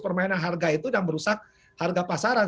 permainan harga itu dan merusak harga pasaran